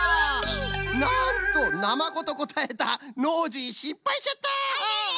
なんとナマコとこたえたノージーしっぱいしちゃった！